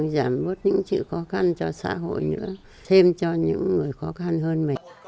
giảm bớt những sự khó khăn cho xã hội nữa thêm cho những người khó khăn hơn mình